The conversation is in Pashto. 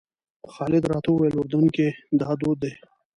خالد راته وویل اردن کې دا دود دی.